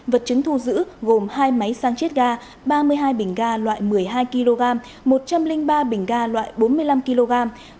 vật chứng thu giữ gồm hai máy sang chiết ga ba mươi hai bình ga loại một mươi hai kg một trăm linh ba bình ga loại bốn mươi năm kg